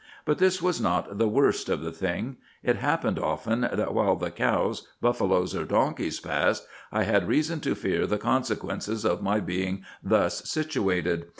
But this was not the worst of the thing ; it happened often, that while the cows, buffaloes, or donkeys passed, I had reason to fear the consequence of my being thus situated.